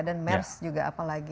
dan mers juga apalagi